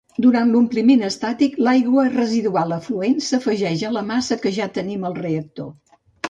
Durant l'ompliment estàtic, l'aigua residual afluent s'afegeix a la massa que ja tenim al reactor.